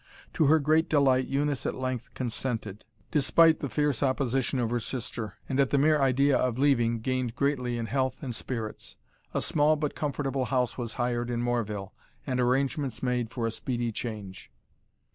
To her great delight Eunice at length consented, despite the fierce opposition of her sister, and at the mere idea of leaving gained greatly in health and spirits. A small but comfortable house was hired in Morville, and arrangements made for a speedy change.